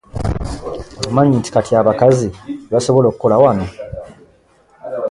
Okimanyi nti kati abakazi be basobola okukola wano.